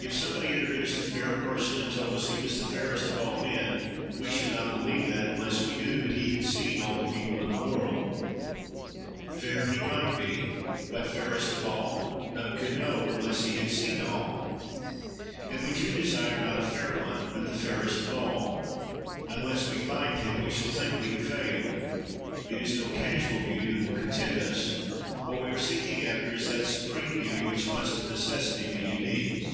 If somebody introduced a fair person and told us he was the fairest of all men, we should not believe that, unless we knew that he had seen all the people in the world. Fair he might be; but, fairest of all—none could know, unless he had seen all. And we too desire, not a fair one, but the fairest of all. Unless we find him, we shall think we have failed. It is no casual beauty that will content us; what we are seeking after is that supreme beauty which must of necessity be unique.